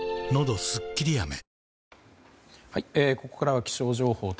ここからは気象情報。